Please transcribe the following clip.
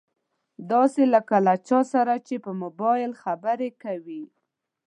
داسې لکه له چا سره چې په مبايل خبرې کوي.